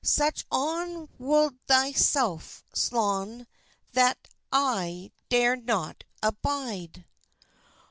Such on wolde thi selfe slon That xii dar not abyde."